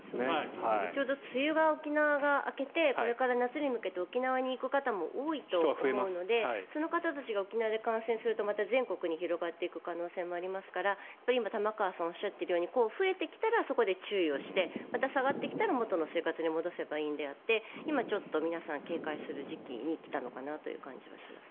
ちょうど沖縄は梅雨が明けて、これから沖縄に行く方も多いと思うのでその方たちが沖縄で感染するとまた全国に広がっていく可能性もありますから玉川さんがおっしゃっているように増えてきたらそこで注意をしてまた下がってきたら元の生活に戻せばいいのであって今、皆さん警戒する時期に来たのかなという感じはします。